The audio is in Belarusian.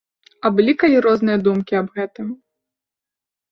А былі калі разумныя думкі аб гэтым?!.